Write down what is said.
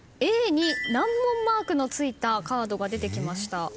Ａに難問マークのついたカードが出てきました。